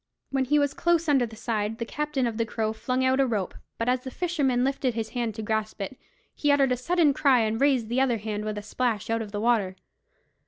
When he was close under the side, the captain of the Crow flung out a rope; but as the fisherman lifted his hand to grasp it, he uttered a sudden cry, and raised the other hand with a splash out of the water.